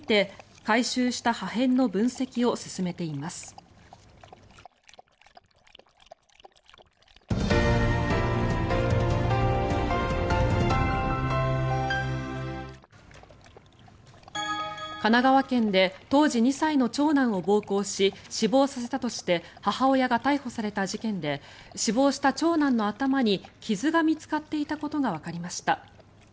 中国は気象研究用だったと主張していますが神奈川県で当時２歳の長男を暴行し死亡させたとして母親が逮捕された事件で死亡した長男の頭に傷が見つかっていたことがわかりました。